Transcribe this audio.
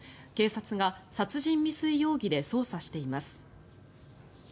警察が殺人未遂容疑で捜査しています。